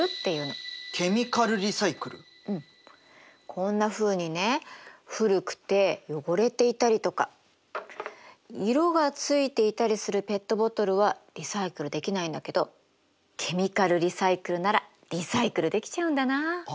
こんなふうにね古くて汚れていたりとか色がついていたりするペットボトルはリサイクルできないんだけどケミカルリサイクルならリサイクルできちゃうんだなあ。